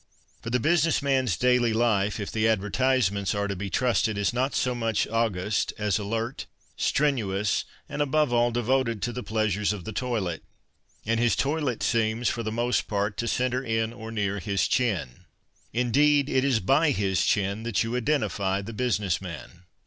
For the business mans daily life, if the advertisements are to be trusted, is not so much august as alert, strenuous, and, above all, devoted to the pleasures of tiie toilet. And his toilet seems, for the most part, to centre in or near his chin. Indeed, it is by his chin that you identify the business man.